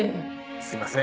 すいません